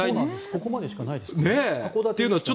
ここまでしか入っていないですね。